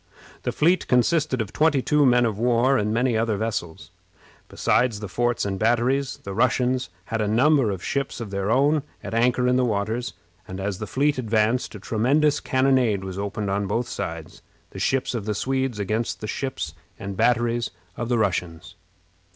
The fleet consisted of twenty two men of war, and many other vessels. Besides the forts and batteries, the Russians had a number of ships of their own at anchor in the waters, and as the fleet advanced a tremendous cannonade was opened on both sides, the ships of the Swedes against the ships and batteries of the Russians.